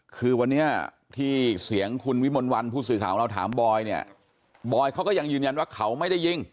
คือวันนี้ที่เสียงคุณวิมลวันผู้สื่อข่าวของเราถามบอยเนี่ยบอยเขาก็ยังยืนยันว่าเขาไม่ได้ยิง